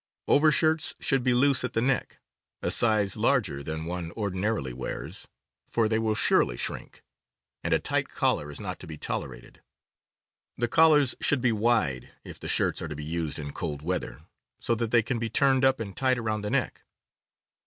Overshirts should be loose at the neck, a size larger than one ordinarily wears, for they will surely shrink, Q ,. and a tight collar is not to be tolerated. The collars should be wide, if the shirts are to be used in cold weather, so that they can be turned up and tied around the neck.